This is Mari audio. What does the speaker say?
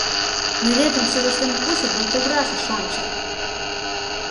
— Неретым чывыштен кучо да туврашыш ончо...